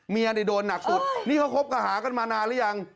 เนี่ยโดนหนักสุดนี่เขาคบกับหากันมานานหรือยัง